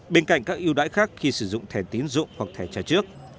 bên cạnh các yêu đại khác khi sử dụng thẻ tiến dụng hoặc thẻ trả trước